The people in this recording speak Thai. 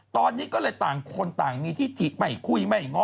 ตอนนี้ก็เลยต่างคนต่างมีที่ที่ไม่คุยไม่ง้อ